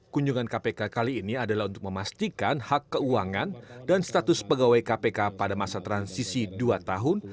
kunjungan kpk kali ini adalah untuk memastikan hak keuangan dan status pegawai kpk pada masa transisi dua tahun